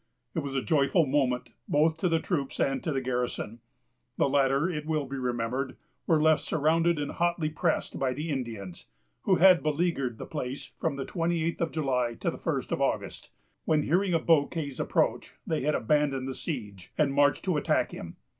It was a joyful moment both to the troops and to the garrison. The latter, it will be remembered, were left surrounded and hotly pressed by the Indians, who had beleaguered the place from the twenty eighth of July to the first of August, when, hearing of Bouquet's approach, they had abandoned the siege, and marched to attack him.